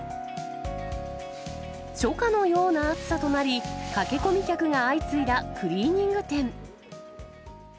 初夏のような暑さとなり、駆け込み客が相次いだクリーニング店。